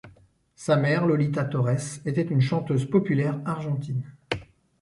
Sa mère, Lolita Torres, était une chanteuse populaire argentine.